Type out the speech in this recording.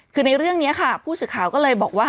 คือในเรื่องนี้ค่ะผู้สื่อข่าวก็เลยบอกว่า